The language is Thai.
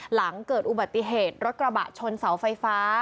หลังเกิดอุบัติเหตุรถกระบะชนเสาไฟฟ้า